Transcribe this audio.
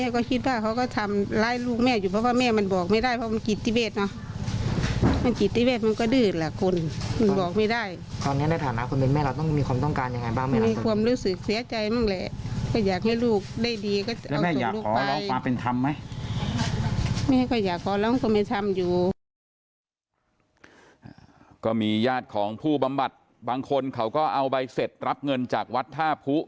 ญาติญาติของผู้บำบัดบางคนเขาก็เอาใบเสร็จรับเงินจากวัดท่าผู้